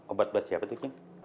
obat obat siapa tuh king